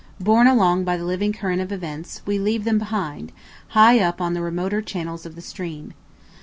Borne along by the living current of events, we leave them behind, high up on the remoter channels of the stream.